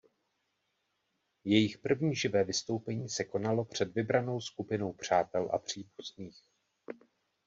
Jejich první živé vystoupení se konalo před vybranou skupinou přátel a příbuzných.